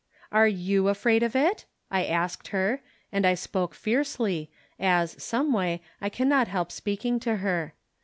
" Are you afraid of it ?" I asked her, and I spoke fiercely, as, someway, I can not help speak ing to her.